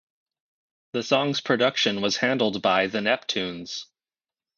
The song's production was handled by The Neptunes.